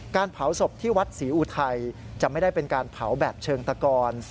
เผาศพที่วัดศรีอุทัยจะไม่ได้เป็นการเผาแบบเชิงตะกอน